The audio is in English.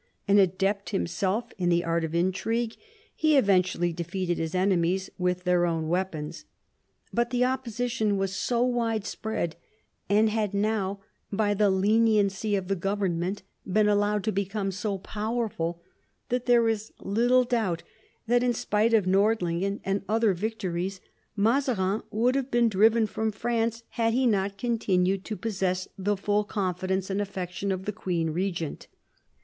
An adept himself in the art of intrigue, he eventually defeated his enemies with their own weapons. But the opposition was so widespread, and had now, by the leniency of the government, been allowed to become so powerful, that there is little doubt that, in spite of Nord lingen and other victories, Mazarin would have been driven from France had he not continued to possess the full confidence and affection of the queen regent.